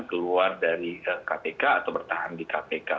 keluar dari kpk atau bertahan di kpk